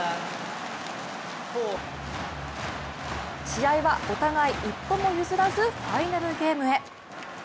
試合はお互い一歩も譲らずファイナルゲームへ。